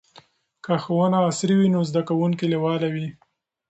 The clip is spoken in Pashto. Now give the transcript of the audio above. که ښوونه عصري وي نو زده کوونکي لیواله وي.